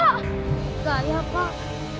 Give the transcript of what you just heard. gak ada pak